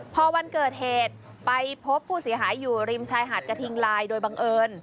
พอวันเกิดเหตุไปพบผู้เสียหายอยู่ริมชายหาดกระทิงลายโดยบังเอิญ